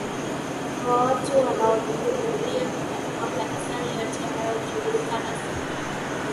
mwa watu wanaohudhuria makanisa yote yanayojulikana sana